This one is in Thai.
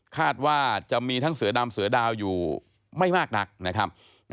คาดว่าจะมีทั้งเสือดำเสือดาวอยู่ไม่มากนักนะครับ